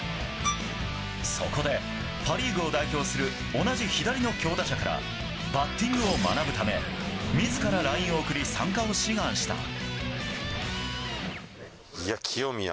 そこでパ・リーグを代表する同じ左の強打者からバッティングを学ぶため自らＬＩＮＥを送り参加を志願した。